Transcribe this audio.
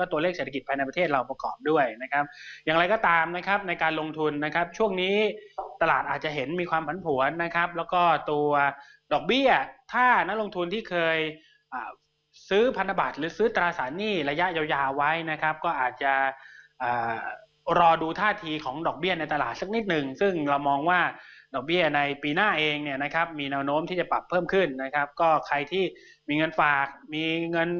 ที่ประเทศเราประกอบด้วยนะครับอย่างไรก็ตามนะครับในการลงทุนนะครับช่วงนี้ตลาดอาจจะเห็นมีความผันผวนนะครับแล้วก็ตัวดอกเบี้ยถ้านักลงทุนที่เคยซื้อพันธุ์บาทหรือซื้อตราสารหนี้ระยะยาวไว้นะครับก็อาจจะรอดูท่าทีของดอกเบี้ยในตลาดสักนิดนึงซึ่งเรามองว่าดอกเบี้ยในปีหน้าเองเนี่ยนะครับมี